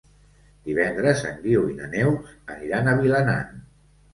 Divendres en Guiu i na Neus aniran a Vilanant.